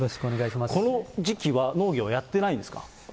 この時期は農業やってないんですか。